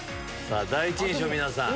第一印象皆さん。